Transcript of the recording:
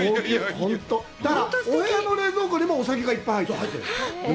だからお部屋の冷蔵庫にも、お酒がいっぱい入ってる。